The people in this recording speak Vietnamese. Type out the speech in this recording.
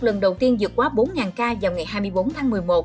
lần đầu tiên dược quá bốn ca vào ngày hai mươi bốn tháng một mươi một